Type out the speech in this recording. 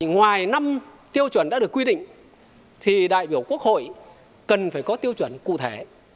ngoài năm tiêu chuẩn đã được quy định thì đại biểu quốc hội cần phải có tiêu chuẩn cụ thể